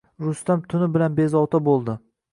Rustam tuni bilan bezovta bo`ldi